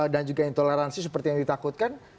dan juga intoleransi seperti yang ditakutkan